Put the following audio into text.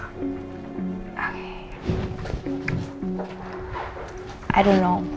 saya tidak tahu